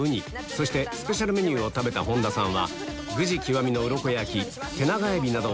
そしてスペシャルメニューを食べた本田さん